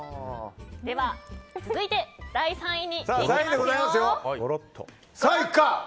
では、続いて第３位です。